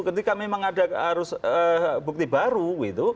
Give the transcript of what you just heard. jadi ketika memang ada bukti baru gitu